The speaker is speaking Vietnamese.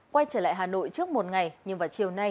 quay trở lại hà nội trước một ngày nhưng vào chiều nay